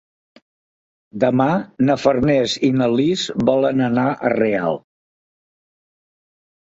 Demà na Farners i na Lis volen anar a Real.